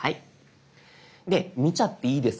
で「見ちゃっていいですか？」